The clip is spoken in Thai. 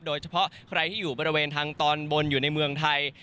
โดยเฉพาะใครที่อยู่บริเวณทางตอนบนอยู่ในเมืองไทย